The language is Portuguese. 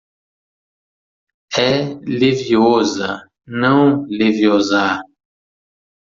É LeviÔsa, não LeviosÁ